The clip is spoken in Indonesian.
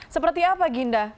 seperti apa ginda